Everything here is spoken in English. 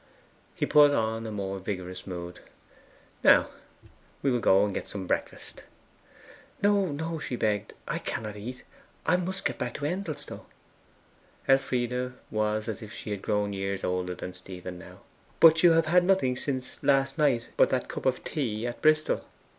He put on a more vigorous mood. 'Now, we will go and get some breakfast.' 'No, no!' she begged. 'I cannot eat. I MUST get back to Endelstow.' Elfride was as if she had grown years older than Stephen now. 'But you have had nothing since last night but that cup of tea at Bristol.